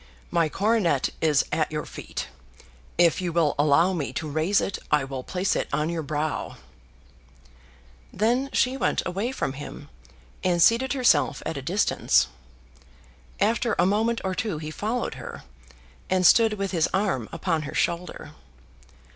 My coronet is at your feet. If you will allow me to raise it, I will place it on your brow." Then she went away from him, and seated herself at a distance. After a moment or two he followed her, and stood with his arm upon her shoulder.